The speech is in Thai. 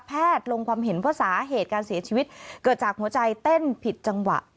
ลงความเห็นว่าสาเหตุการเสียชีวิตเกิดจากหัวใจเต้นผิดจังหวะ